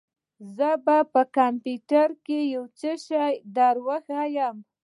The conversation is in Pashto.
زه به په کمپيوټر کښې يو شى دروښييم.